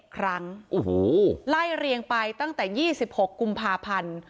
ครั้งไล่เรียงไปตั้งแต่๒๖กุมภาพันธ์